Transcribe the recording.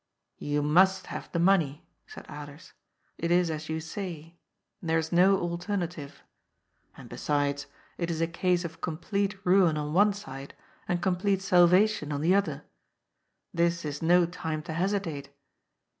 " You must have the money," said Alers. " It is as you say. There is no alternative. And, besides, it is a case of complete ruin on one side, and complete salvation on the 21 323 GOD'S FOOL. other. This is no time to hesitate.